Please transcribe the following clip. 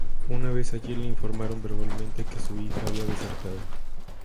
Una vez allí, le informaron verbalmente que su hijo había desertado.